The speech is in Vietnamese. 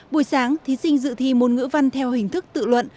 buổi sáng thí sinh dự thi môn ngữ văn theo hình thức tự luận